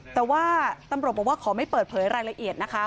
แต่ว่าตำรวจบอกว่าขอไม่เปิดเผยรายละเอียดนะคะ